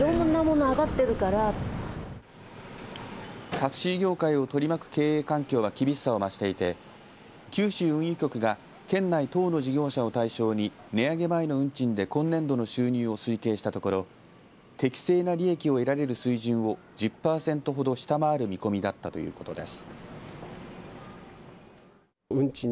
タクシー業界を取り巻く経営環境は厳しさを増していて九州運輸局が県内の１０の事業者を対象に値上げ前の運賃で今年度の収入を推計したところ適正な利益を得られる水準を１０パーセントほど下回る見込みだったということです。